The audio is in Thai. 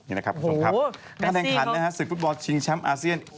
นี่นะครับคุณผู้ชมครับการแข่งขันศึกฟุตบอลชิงแชมป์อาเซียน